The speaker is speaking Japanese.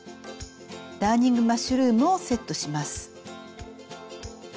ダーニングマッシュルームをセットします。